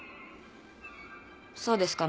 そうですか。